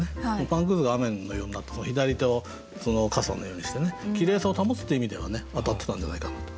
パンくずが雨のようになって左手を傘のようにしてねきれいさを保つっていう意味では当たってたんじゃないかなと。